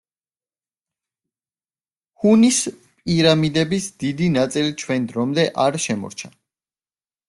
ჰუნის პირამიდების დიდი ნაწილი ჩვენს დრომდე არ შემორჩა.